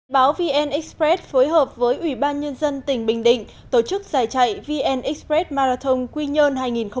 báo vn express phối hợp với ủy ban nhân dân tỉnh bình định tổ chức giải chạy vn express marathon quy nhơn hai nghìn một mươi chín